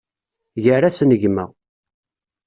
Gar-asen gma.